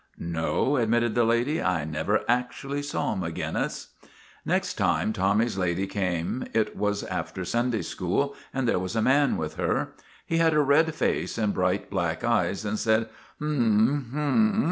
" No/' admitted the lady, " I never actually saw Maginnis." Next time Tommy's lady came it was after Sun day school and there was a man with her. He had a red face and bright, black eyes, and said " Hm ! Hm